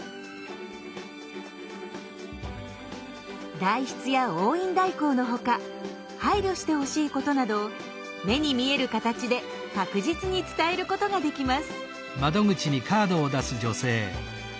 代筆や押印代行のほか配慮してほしいことなどを目に見える形で確実に伝えることができます。